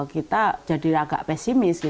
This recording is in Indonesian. kita jadi agak pesimis